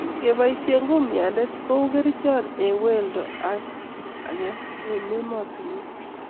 kiboisien kumyande kou kerichon eng' weldo ake eng' emotinwek